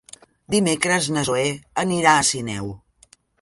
Dimecres na Zoè anirà a Sineu.